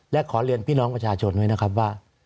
และขอเรียนพี่น้องประชาชนด้วยนะครับว่า